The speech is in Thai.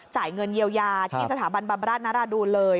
จ่ายเงินเยียวยาที่สถาบันบำราชนราดูลเลย